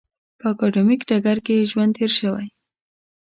په اکاډمیک ډګر کې یې ژوند تېر شوی.